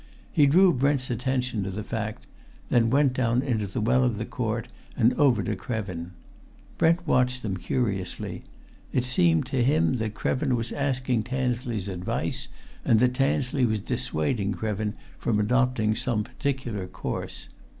He drew Brent's attention to the fact; then went down into the well of the court and over to Krevin. Brent watched them curiously; it seemed to him that Krevin was asking Tansley's advice, and that Tansley was dissuading Krevin from adopting some particular course.